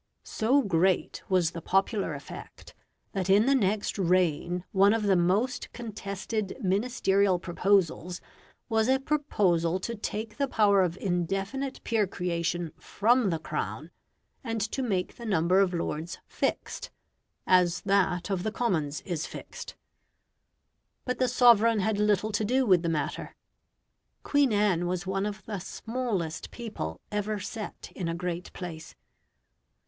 So great was the popular effect, that in the next reign one of the most contested Ministerial proposals was a proposal to take the power of indefinite peer creation from the Crown, and to make the number of Lords fixed, as that of the Commons is fixed. But the sovereign had little to do with the matter. Queen Anne was one of the smallest people ever set in a great place.